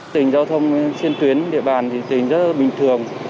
tình giao thông trên tuyến địa bàn thì tình rất là bình thường